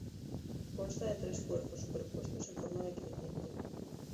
Consta de tres cuerpos superpuestos en forma decreciente.